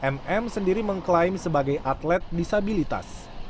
mm sendiri mengklaim sebagai atlet disabilitas